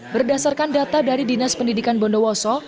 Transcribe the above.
berdasarkan data dari dinas pendidikan bondowoso